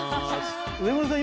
植村さん